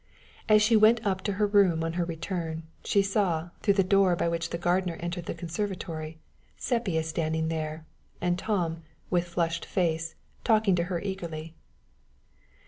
As she went up to her room on her return, she saw, through the door by which the gardener entered the conservatory, Sepia standing there, and Tom, with flushed face, talking to her eagerly.